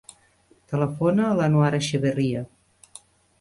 Telefona a l'Anwar Echeverria.